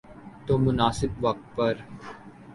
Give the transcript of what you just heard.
تو مناسب وقت پر۔